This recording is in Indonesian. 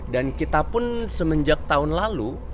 dan kita pun semenjak tahun lalu